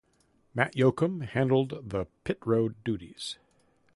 Matt Yocum handled the pit road duties.